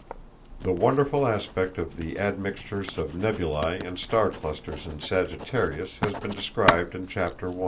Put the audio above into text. The wonderful aspect of the admixtures of nebulæ and star clusters in Sagittarius has been described in Chapter 1.